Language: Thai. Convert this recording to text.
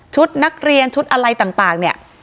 นักเรียนชุดอะไรต่างเนี่ย